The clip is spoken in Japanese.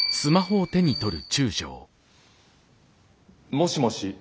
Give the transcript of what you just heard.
もしもし。